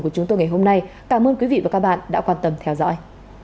của chúng tôi ngày hôm nay cảm ơn quý vị và các bạn đã quan tâm theo dõi